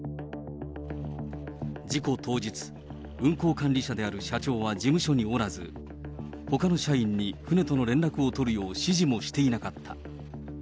事故当日、運航管理者である社長は事務所におらず、ほかの社員に船との連絡を取るよう指示もしていなかった。